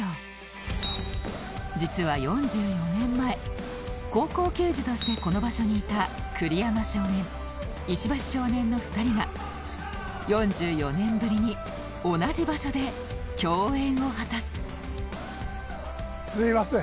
実は４４年前高校球児としてこの場所にいた栗山少年石橋少年の２人は４４年ぶりに同じ場所で共演を果たすすみません。